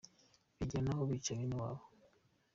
Bagera n’aho bica bene wabo !